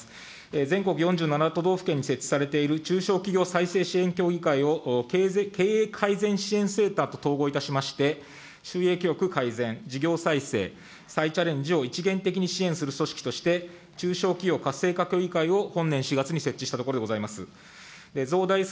全国４７都道府県に設置されている中小企業再生支援、経営改善支援センターと統合いたしまして、収益力改善、事業力、再チャレンジを一元的に支援する組織として中小企業活性化協議会を本年４月に設置したところでございます。